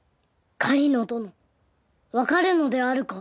狩野どのわかるのであるか？